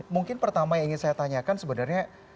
mungkin pertama yang ingin saya tanyakan sebenarnya